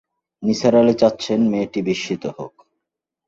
নিসার আলি চাচ্ছেন মেয়েটি বিস্মিত হোক।